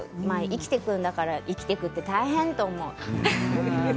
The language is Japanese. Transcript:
生きていくんだから生きていくのは大変と思う。